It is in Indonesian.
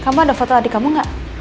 kamu ada foto adik kamu gak